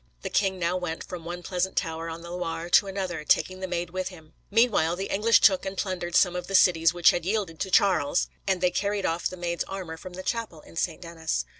The king now went from one pleasant tower on the Loire to another, taking the Maid with him. Meanwhile, the English took and plundered some of the cities which had yielded to Charles, and they carried off the Maid's armor from the chapel in St. Denis.